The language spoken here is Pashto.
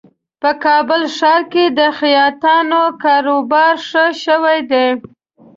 په کابل ښار کې د خیاطانو کاروبار ښه شوی دی